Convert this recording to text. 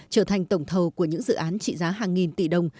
trở thành tổng thầu của những dự án trị giá hàng nghìn tỷ đồng